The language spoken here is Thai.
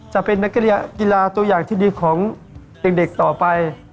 จะเป็นนักกีฬาตัวอย่างที่ดีของเด็กต่อไป